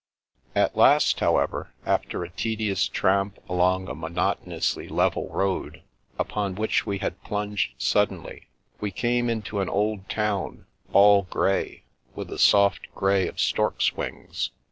At last, however, after a tedious tramp along a monotonously level road, upon which we had plunged suddenly, we came into an old town, all grey, with the soft grey of storks' wings.